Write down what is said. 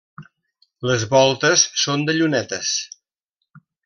Les voltes són de llunetes.